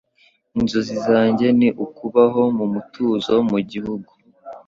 Inzozi zanjye ni ukubaho mu mutuzo mu gihugu.